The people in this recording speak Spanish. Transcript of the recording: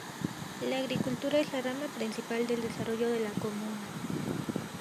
La agricultura es la rama principal del desarrollo de la comuna.